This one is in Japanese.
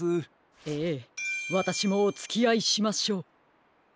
ええわたしもおつきあいしましょう。